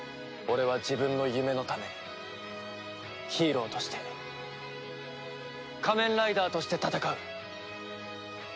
俺は自分の夢のためヒーローとして仮面ライダーとして戦う！